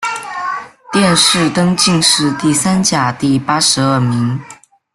殿试登进士第三甲第八十二名。